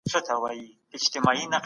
د نبي کریم لارښوونې زموږ لپاره مشال دي.